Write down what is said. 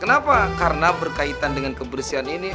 kenapa karena berkaitan dengan kebersihan ini